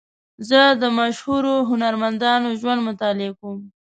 زه د مشهورو هنرمندانو ژوند مطالعه کوم.